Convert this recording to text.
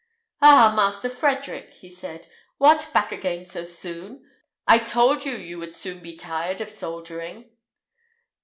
"Ah! Master Frederick," he said, "what! back again so soon! I told you you would soon be tired of soldiering."